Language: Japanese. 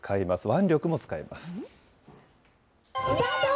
腕力も使います。